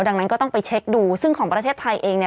ดังนั้นก็ต้องไปเช็คดูซึ่งของประเทศไทยเองเนี่ย